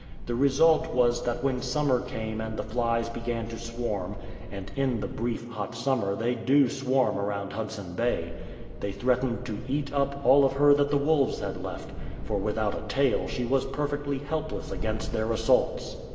The result was that when summer came and the flies began to swarm — and in the brief, hot summer they do swarm around Hudson Bay — they threatened to eat up all of her that the wolves had left ; for without a tail she w^as perfectly helpless against their assaults.